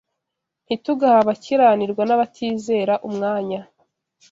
ntitugahe abakiranirwa n’abatizera umwanya